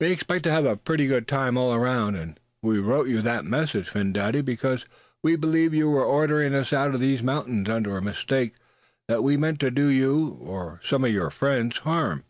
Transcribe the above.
We expect to have a pretty good time all around. And we wrote you that message, Phin Dady, because we believed you were ordering us out of these mountains under a mistake that we meant to do you, or some of your friends, harm.